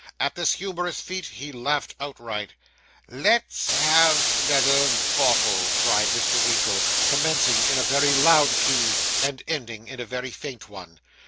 At this humorous feat he laughed outright. 'Let's have 'nother bottle,' cried Mr. Winkle, commencing in a very loud key, and ending in a very faint one.